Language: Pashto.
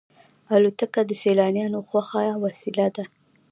الوتکه د سیلانیانو خوښه وسیله ده.